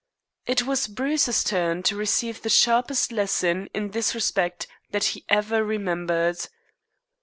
It was Bruce's turn to receive the sharpest lesson in this respect that he ever remembered.